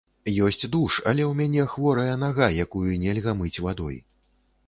Ёсць душ, але ў мяне хворая нага, якую нельга мыць вадой.